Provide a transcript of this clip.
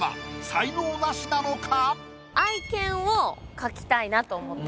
才能ナシなのか？